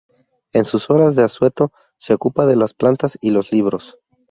En sus horas de asueto se ocupa "de las plantas y los libros".